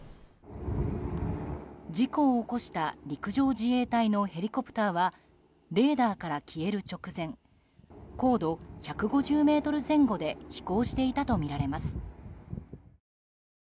事故を起こした陸上自衛隊のヘリコプターはレーダーから消える直前高度１５０ｍ前後で飛行していたとみられます。